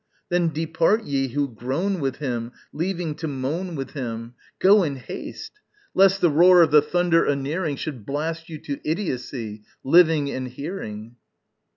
Then depart ye who groan with him, Leaving to moan with him, Go in haste! lest the roar of the thunder anearing Should blast you to idiocy, living and hearing.